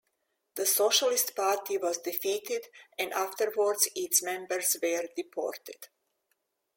The socialist party was defeated and afterwards its members were deported.